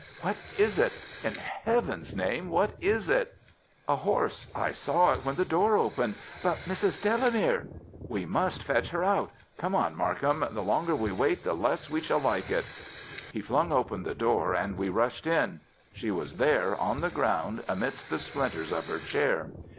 "What is it? In Heaven's name, what is it?" "A horse. I saw it when the door opened. But Mrs. Delamere——?" "We must fetch her out. Come on, Markham; the longer we wait the less we shall like it." He flung open the door and we rushed in. She was there on the ground amidst the splinters of her chair.